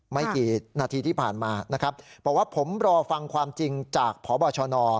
ไม่กี่นาทีที่ผ่านมานะครับบอกว่าผมรอฟังความจริงจากพบชน